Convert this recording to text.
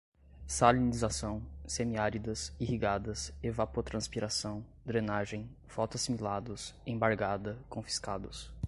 salinização, semi-áridas, irrigadas, evapotranspiração, drenagem, fotoassimilados, embargada, confiscados